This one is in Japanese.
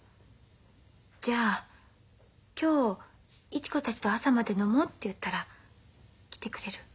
じゃあ今日市子たちと朝まで飲もうって言ったら来てくれる？